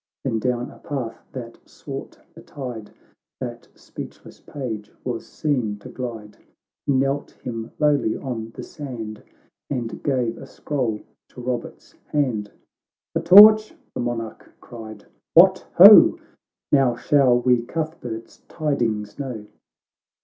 Then down a path that sought the tide, That speechless page was seen to glide ; He knelt him lowly on the sand, And gave a scroll to Eobert's hand. " A torch," the Monarch cried, " What, ho ! Now shall we Cuthbert's tidings know.'